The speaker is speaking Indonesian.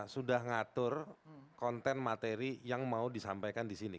sudah ngatur konten materi yang mau disampaikan di sini